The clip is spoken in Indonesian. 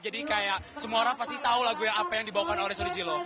jadi kayak semua orang pasti tau lagu yang apa yang dibawakan oleh sodi zilo